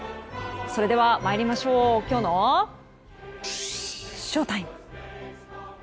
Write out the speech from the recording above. それでは参りましょうきょうのＳＨＯＴＩＭＥ！